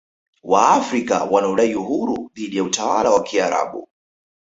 Waafrika wanaodai uhuru dhidi ya utawala wa Kiarabu